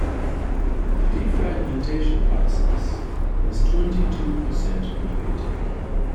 The defragmentation process is twenty-two percent complete.